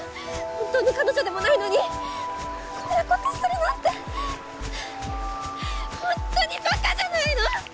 本当の彼女でもないのにこんなことするなんてほんとにバカじゃないの⁉